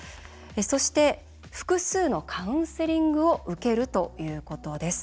そして、複数のカウンセリングを受けるということです。